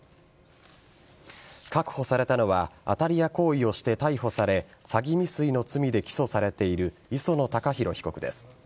確保されたのは当たり屋行為をして逮捕され詐欺未遂の罪で起訴されている磯野貴博被告です。